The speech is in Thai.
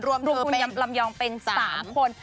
รวมคุณลำยองเป็น๓คน